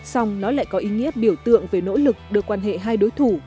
song nó lại có ý nghĩa biểu tượng về nỗ lực được quan hệ hai đối thủ